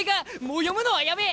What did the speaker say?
もう読むのはやめ！